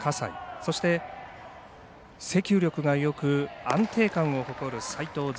そして、制球力がよく安定感を誇る齋藤禅。